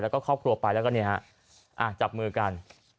แล้วก็ครอบครัวไปแล้วก็เนี่ยฮะจับมือกัน